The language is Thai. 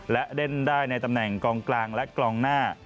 ได้ได้ในตำแหน่งกลางกลางหน้า